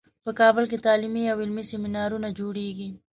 په کابل کې تعلیمي او علمي سیمینارونو جوړیږي